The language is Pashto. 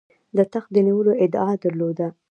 د تخت د نیولو ادعا درلوده.